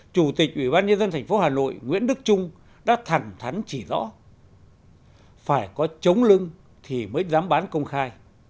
chủ tịch ủy ban nhân dân tp hà nội nguyễn đức trung đã thẳng thắn chỉ rõ phải có chống lưng thì mới dám bán công khai